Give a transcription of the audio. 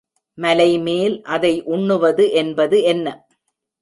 மலைமேல் அதை உண்ணுவது என்பது என்ன?